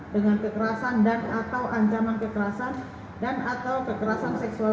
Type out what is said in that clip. dengan kekerasan dan atau ancaman kekerasan dan atau kekerasan seksual